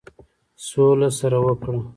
سوله سره وکړه.